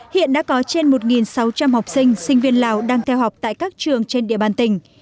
hiện đã có trên một sáu trăm linh học sinh sinh viên lào đang theo học tại các trường trên địa bàn tỉnh